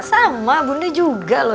sama bunda juga loh